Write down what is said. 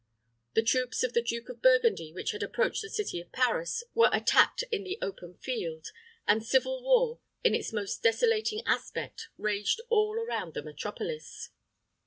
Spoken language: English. The troops of the Duke of Burgundy, which had approached the city of Paris, were attacked in the open field, and civil war, in its most desolating aspect, raged all around the metropolis.